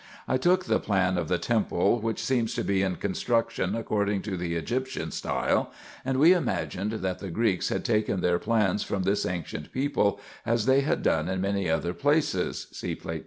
I took the plan of the temple, winch seems to be in construction according to the Egyptian style, and we imagined that the Greeks had taken their plans from this ancient people, as they had done in many other things (See Plate 32).